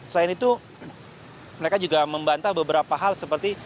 selain itu mereka juga membantah beberapa hal seperti